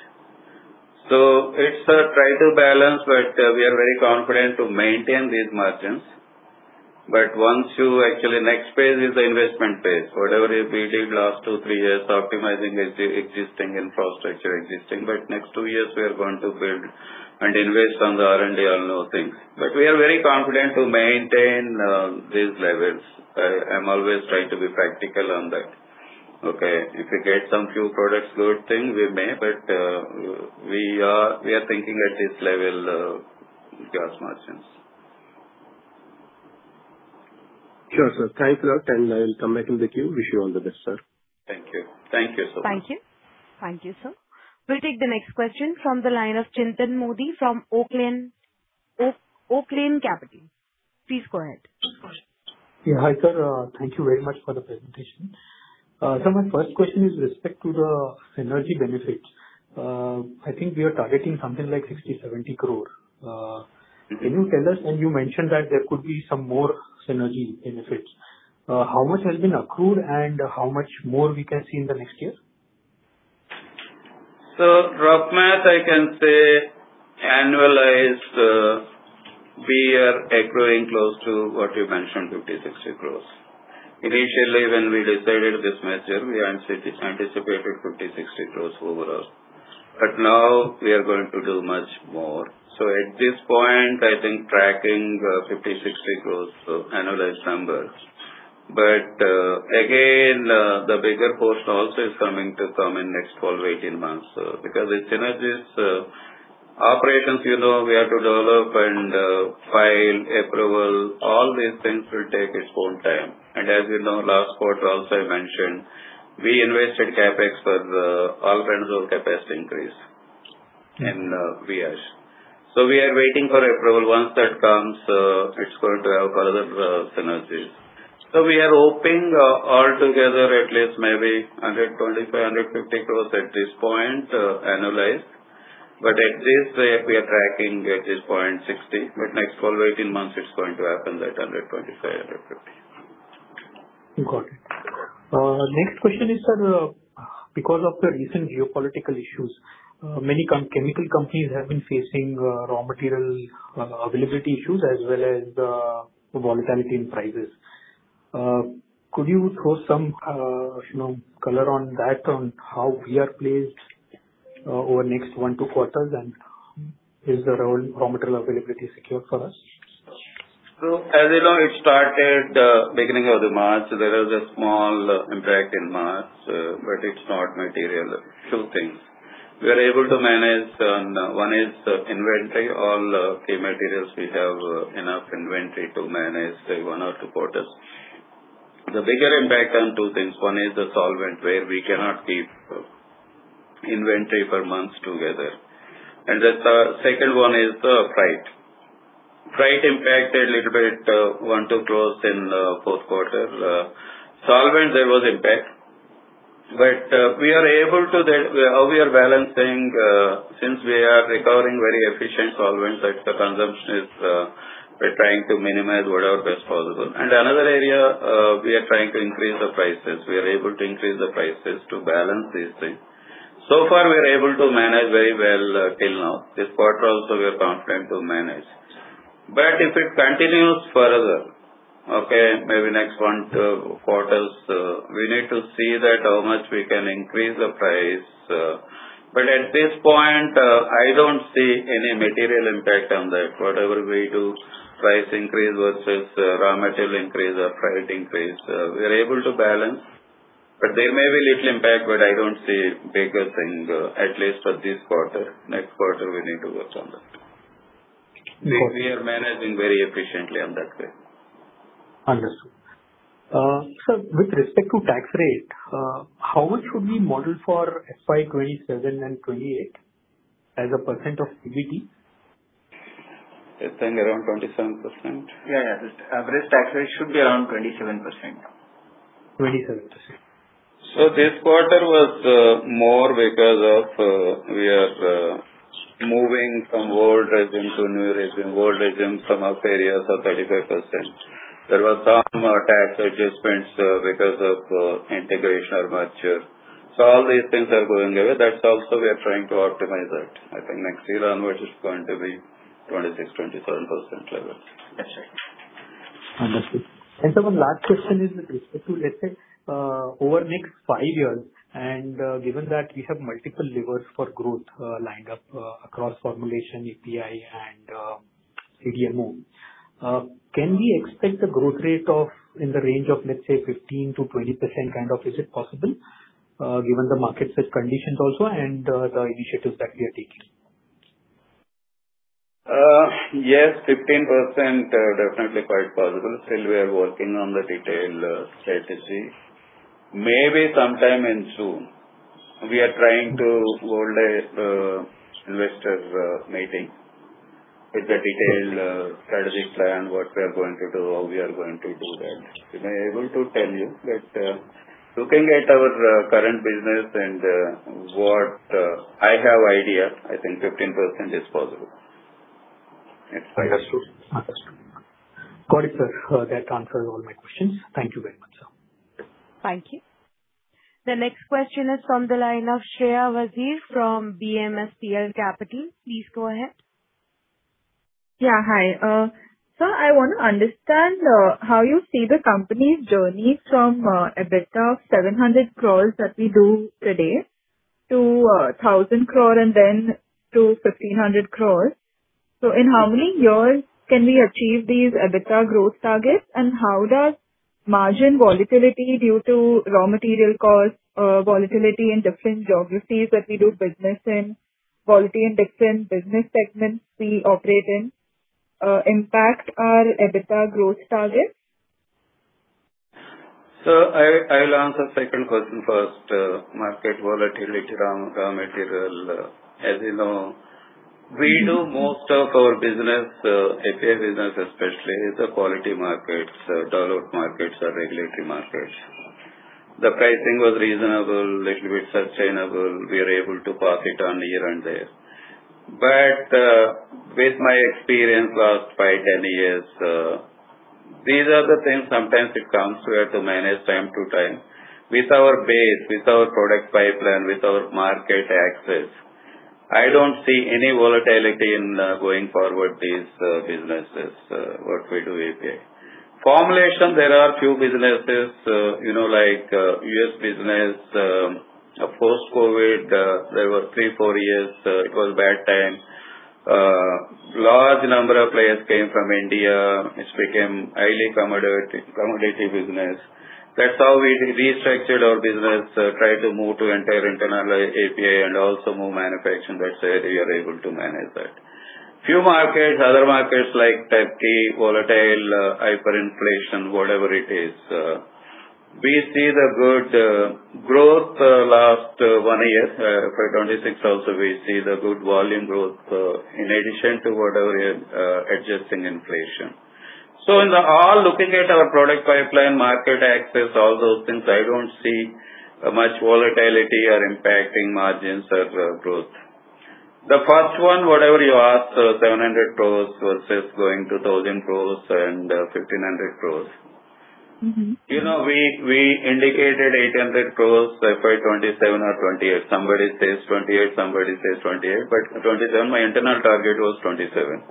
[SPEAKER 3] It's a try to balance, but we are very confident to maintain these margins, but once you Actually, next phase is the investment phase. Whatever we did last two, three years, optimizing existing infrastructure. Next two years, we are going to build and invest on the R&D on new things. We are very confident to maintain these levels. I'm always trying to be practical on that. Okay. If we get some few products, good thing, we may, but we are thinking at this level, gross margins.
[SPEAKER 9] Sure, sir. Thanks a lot, and I will come back in the queue. Wish you all the best, sir.
[SPEAKER 3] Thank you. Thank you so much.
[SPEAKER 1] Thank you. Thank you, sir. We will take the next question from the line of Chintan Modi from Oaklane Capital. Please go ahead.
[SPEAKER 10] Yeah. Hi, sir. Thank you very much for the presentation. Sir, my first question is with respect to the synergy benefits. I think we are targeting something like 60 crore-70 crore. Can you tell us, and you mentioned that there could be some more synergy benefits. How much has been accrued and how much more we can see in the next year?
[SPEAKER 3] Rough math, I can say annualized, we are accruing close to what you mentioned, 50 crore-60 crore. Initially, when we decided this merger, we anticipated 50 crore-60 crore overall. Now we are going to do much more. At this point, I think tracking 50 crore-60 crore of annualized numbers. Again, the bigger portion also is coming to term in next 12 or 18 months, because with synergies, operations, we have to develop and file approval. All these things will take its own time. As you know, last quarter also I mentioned, we invested CapEx for all kinds of capacity increase in Viyash. We are waiting for approval. Once that comes, it's going to have further synergies. We are hoping all together at least maybe 125 crore-150 crore at this point, annualized. At this rate, we are tracking at this point 60 crore, but next 12 or 18 months it's going to happen at 125 crore, 150 crore.
[SPEAKER 10] Got it. Next question is, sir, because of the recent geopolitical issues, many chemical companies have been facing raw material availability issues as well as the volatility in prices. Could you throw some color on that, on how we are placed over next one to two quarters, and is the raw material availability secure for us?
[SPEAKER 3] As you know, it started beginning of the March. There was a small impact in March, but it's not material. Two things. We are able to manage on, one is, inventory. All key materials, we have enough inventory to manage one or two quarters. The bigger impact on two things. One is the solvent where we cannot keep inventory for months together. The second one is the freight. Freight impacted a little bit, 1 crore-2 crore in fourth quarter. Solvent, there was impact, how we are balancing, since we are recovering very efficient solvents, that the consumption we're trying to minimize whatever best possible. Another area, we are trying to increase the prices. We are able to increase the prices to balance these things. So far we are able to manage very well till now. This quarter also we are confident to manage. If it continues further, maybe next one quarters, we need to see that how much we can increase the price. At this point, I don't see any material impact on that. Whatever we do, price increase versus raw material increase or freight increase, we are able to balance. There may be little impact, but I don't see bigger thing, at least for this quarter. Next quarter we need to work on that.
[SPEAKER 10] Got it.
[SPEAKER 3] We are managing very efficiently on that way.
[SPEAKER 10] Understood. Sir, with respect to tax rate, how much should we model for FY 2027 and FY 2028 as a percent of PBT?
[SPEAKER 3] I think around 27%.
[SPEAKER 4] Yeah. The average tax rate should be around 27%.
[SPEAKER 10] 27%.
[SPEAKER 3] This quarter was more because of we are moving from old regime to new regime. Old regime some areas are 35%. There was some tax adjustments because of integration or merger. All these things are going away. That also we are trying to optimize that. I think next year onwards it's going to be 26%-27% level.
[SPEAKER 4] That's right.
[SPEAKER 10] Understood. Sir, one last question is with respect to, let's say, over next five years, given that we have multiple levers for growth lined up across formulation, API and CDMO, can we expect a growth rate in the range of, let's say, 15%-20% kind of? Is it possible given the market conditions also and the initiatives that we are taking?
[SPEAKER 3] Yes, 15% definitely quite possible. Still we are working on the detailed strategy. Maybe sometime in June, we are trying to hold a investor meeting with the detailed strategic plan, what we are going to do, how we are going to do that. We may able to tell you. Looking at our current business and what I have idea, I think 15% is possible.
[SPEAKER 10] Understood. Got it, sir. That answers all my questions. Thank you very much, sir.
[SPEAKER 1] Thank you. The next question is from the line of Shreya Wazir from BMSPL Capital. Please go ahead.
[SPEAKER 11] Hi. Sir, I want to understand how you see the company's journey from EBITDA of 700 crore that we do today to 1,000 crore and then to 1,500 crore. In how many years can we achieve these EBITDA growth targets? How does margin volatility due to raw material costs, volatility in different geographies that we do business in, volatility in different business segments we operate in, impact our EBITDA growth targets?
[SPEAKER 3] Sir, I will answer second question first. Market volatility, raw material. As you know, we do most of our business, API business especially, is the quality markets, developed markets or regulatory markets. The pricing was reasonable, little bit sustainable. We are able to pass it on here and there. With my experience, last five, 10 years, these are the things sometimes it comes, we have to manage time to time. With our base, with our product pipeline, with our market access, I don't see any volatility in going forward these businesses, what we do API. Formulation, there are few businesses like U.S. business. Post-COVID, there were three, four years, it was bad time. Large number of players came from India. It became highly commodity business. That's how we restructured our business, tried to move to entire internal API and also move manufacturing. That's why we are able to manage that. Few markets, other markets like Turkey, volatile, hyperinflation, whatever it is, we see the good growth last one year. For 2026 also, we see the good volume growth, in addition to whatever adjusting inflation. In all, looking at our product pipeline, market access, all those things, I don't see much volatility or impacting margins or growth. The first one, whatever you asked, 700 crore versus going to 1,000 crore and 1,500 crore. You know, we indicated 800 crore by 2027 or 2028. Somebody says 2028, 2027, my internal target was 2027.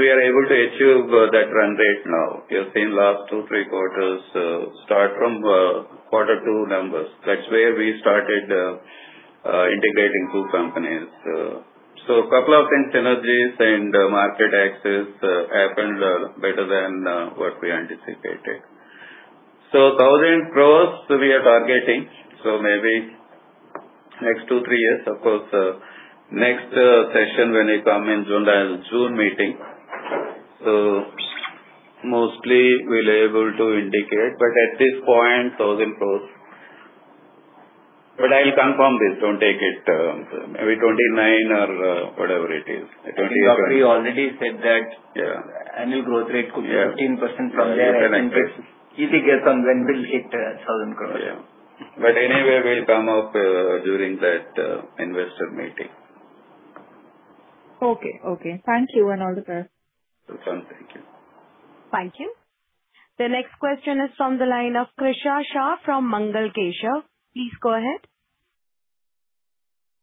[SPEAKER 3] We are able to achieve that run rate now. You have seen last two, three quarters, start from quarter two numbers. That's where we started integrating two companies. Couple of things, synergies and market access happened better than what we anticipated. 1,000 crore we are targeting, maybe next two, three years. Of course, next session when I come in June meeting, mostly we'll able to indicate, at this point, 1,000 crore. I'll confirm this. Don't take it. Maybe 2029 or whatever it is.
[SPEAKER 4] I think we already said that.
[SPEAKER 3] Yeah.
[SPEAKER 4] Annual growth rate could be 15% from there.
[SPEAKER 3] Yeah, 15, 16.
[SPEAKER 4] Easy guess on when we'll hit 1,000 crore.
[SPEAKER 3] Yeah. Anyway, we'll come up during that investor meeting.
[SPEAKER 11] Okay. Thank you, and all the best.
[SPEAKER 3] Welcome. Thank you.
[SPEAKER 1] Thank you. The next question is from the line of Krisha Shah from Mangal Keshav. Please go ahead.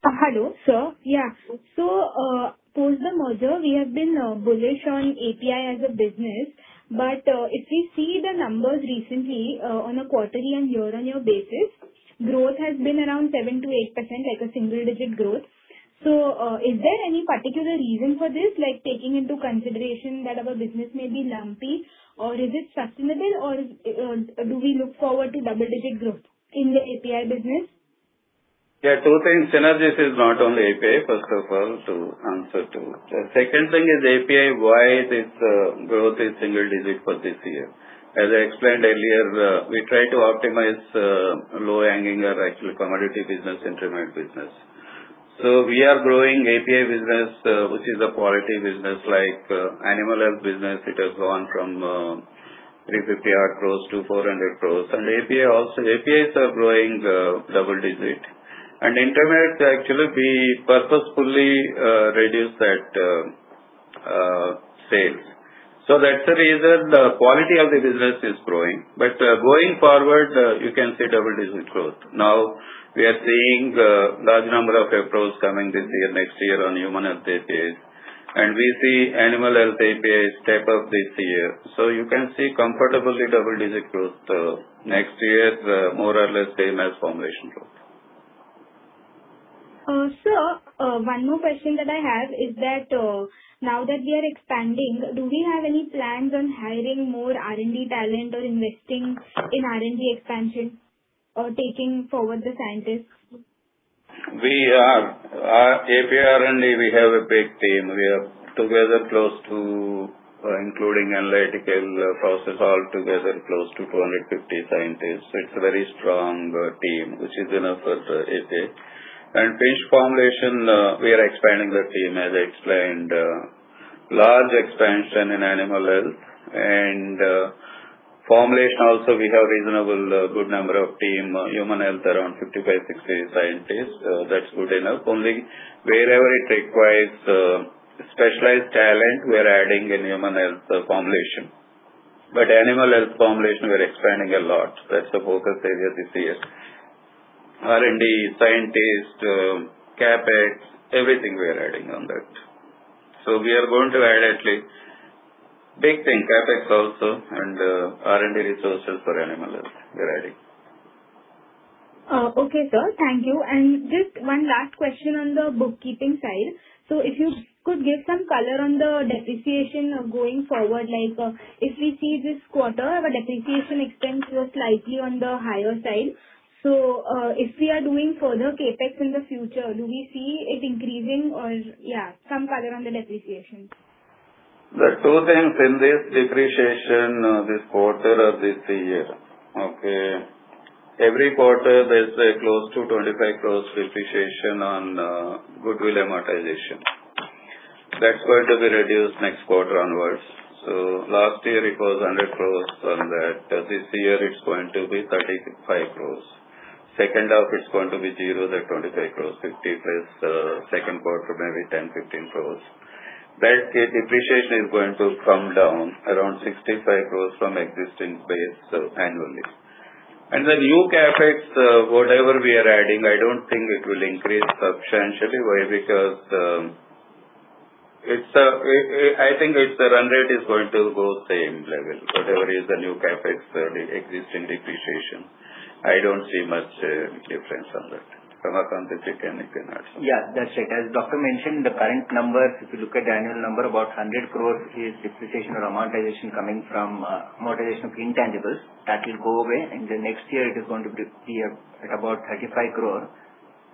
[SPEAKER 12] Hello, sir. Yeah. Post the merger, we have been bullish on API as a business, but if we see the numbers recently, on a quarterly and year-on-year basis, growth has been around 7%-8%, like a single-digit growth. Is there any particular reason for this, like taking into consideration that our business may be lumpy, or is it sustainable, or do we look forward to double-digit growth in the API business?
[SPEAKER 3] Yeah, two things. Synergies is not only API, first of all, to answer to. The second thing is API, why this growth is single-digit for this year. As I explained earlier, we try to optimize low hanging or actually commodity business, intermediate business. We are growing API business, which is a quality business like animal health business. It has gone from 350 odd crore-INR 400 crore. APIs are growing double-digit. Intermediates, actually, we purposefully reduce that sales. That's the reason the quality of the business is growing. Going forward, you can see double-digit growth. Now we are seeing large number of approvals coming this year, next year on human health APIs. We see animal health APIs step up this year. You can see comfortably double-digit growth. Next year is more or less same as formulation growth.
[SPEAKER 12] Sir, one more question that I have is that, now that we are expanding, do we have any plans on hiring more R&D talent or investing in R&D expansion or taking forward the scientists?
[SPEAKER 3] API R&D, we have a big team. We are close to, including analytical process, all together, close to 250 scientists. It's a very strong team, which is enough at API. Finished formulation, we are expanding the team, as I explained, large expansion in animal health. Formulation also, we have reasonable good number of team. Human health, around 55, 60 scientists. That's good enough. Only wherever it requires specialized talent, we are adding in human health formulation. Animal health formulation, we are expanding a lot. That's the focus area this year. R&D, scientists, CapEx, everything we are adding on that. We are going to add at least big thing, CapEx also and R&D resources for animal health, we are adding.
[SPEAKER 12] Okay, sir. Thank you. Just one last question on the bookkeeping side. If you could give some color on the depreciation going forward. Like, if we see this quarter, our depreciation expense was slightly on the higher side. If we are doing further CapEx in the future, do we see it increasing or Yeah, some color on the depreciation.
[SPEAKER 3] There are two things in this depreciation, this quarter of this year. Every quarter there's close to 25 crore depreciation on goodwill amortization. That's going to be reduced next quarter onwards. Last year it was 100 crore on that. This year it's going to be 35 crore. Second half, it's going to be zero. The 25 crore, 50 crore second quarter, maybe 10 crore, 15 crore. That depreciation is going to come down around 65 crore from existing base annually. The new CapEx, whatever we are adding, I don't think it will increase substantially. Why? I think its run rate is going to go same level. Whatever is the new CapEx, the existing depreciation, I don't see much difference on that from a competitive standpoint.
[SPEAKER 4] Yeah, that's it. As doctor mentioned, the current numbers, if you look at the annual number, about 100 crore is depreciation or amortization coming from amortization of intangibles. That will go away and the next year it is going to be at about 35 crore.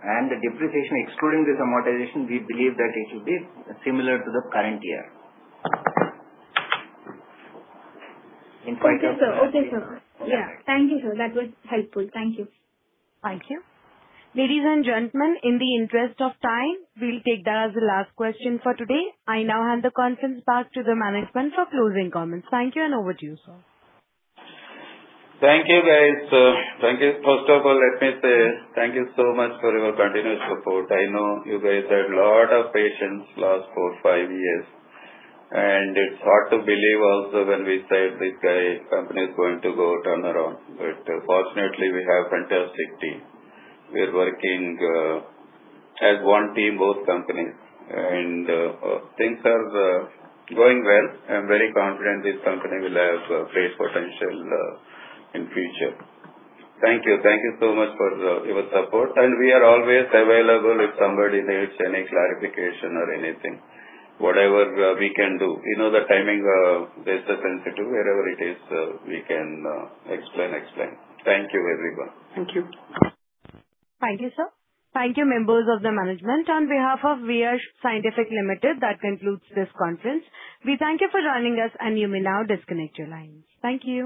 [SPEAKER 4] The depreciation, excluding this amortization, we believe that it will be similar to the current year.
[SPEAKER 12] Okay, sir. Yeah. Thank you, sir. That was helpful. Thank you.
[SPEAKER 1] Thank you. Ladies and gentlemen, in the interest of time, we will take that as the last question for today. I now hand the conference back to the management for closing comments. Thank you and over to you, sir.
[SPEAKER 3] Thank you, guys. First of all, let me say thank you so much for your continuous support. I know you guys had lot of patience last four, five years. It's hard to believe also when we said this company is going to go turnaround. Fortunately, we have fantastic team. We're working as one team, both companies. Things are going well. I'm very confident this company will have great potential in future. Thank you. Thank you so much for your support. We are always available if somebody needs any clarification or anything. Whatever we can do. You know the timing, that's sensitive. Wherever it is, we can explain. Thank you, everyone.
[SPEAKER 1] Thank you. Thank you, sir. Thank you, members of the management. On behalf of Viyash Scientific Limited, that concludes this conference. We thank you for joining us, and you may now disconnect your lines. Thank you.